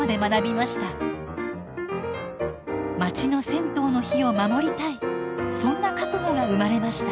まちの銭湯の火を守りたいそんな覚悟が生まれました。